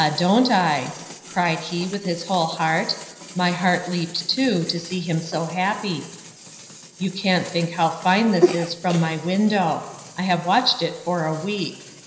don't I!" cried he, with his whole heart. My heart leaped too, to see him so happy. "You can't think how fine this is from my window; I have watched it for a week.